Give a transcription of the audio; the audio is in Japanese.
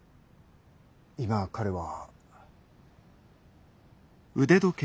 今彼は。